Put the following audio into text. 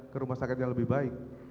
kerusakan lebih baik